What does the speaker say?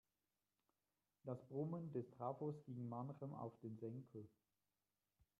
Das Brummen des Trafos ging manchem auf den Senkel.